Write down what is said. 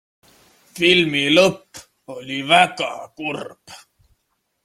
Filmi lõpp oli väga kurb.